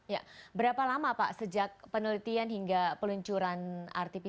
ya berapa lama pak sejak penelitian hingga peluncuran rt pcr ini pak